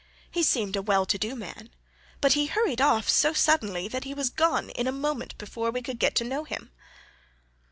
He seemed a well to do man, but he hurried off so suddenly that he was gone in a moment before we could get to know him."